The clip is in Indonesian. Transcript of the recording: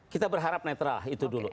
kita berharap netral itu dulu